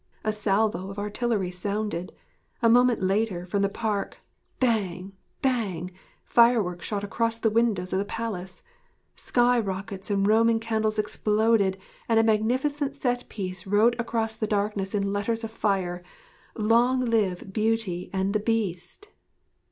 A salvo of artillery sounded, a moment later, from the park. Bang, bang! fireworks shot across the windows of the palace; sky rockets and Roman candles exploded and a magnificent set piece wrote across the darkness in letters of fire 'LONG LIVE BEAUTY AND THE BEAST!'